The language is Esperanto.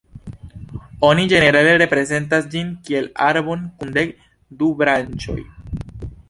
Oni ĝenerale reprezentas ĝin kiel arbon kun dek du branĉoj.